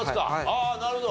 ああなるほど。